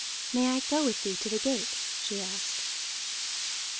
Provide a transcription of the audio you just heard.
"May I go with thee to the gate?" she asked.